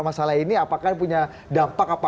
masalah ini apakah punya dampak apa